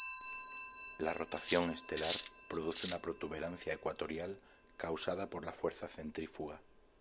La rotación estelar produce una protuberancia ecuatorial causada por la fuerza centrífuga.